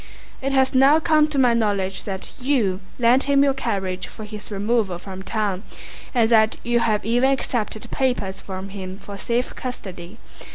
It has now come to my knowledge that you lent him your carriage for his removal from town, and that you have even accepted papers from him for safe custody.